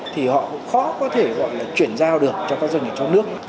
thì họ cũng khó có thể gọi là chuyển giao được cho các doanh nghiệp trong nước